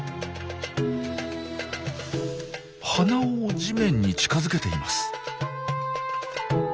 鼻を地面に近づけています。